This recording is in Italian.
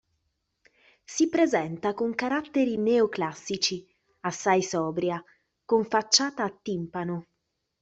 Si presenta con caratteri neoclassici, assai sobria, con facciata a timpano.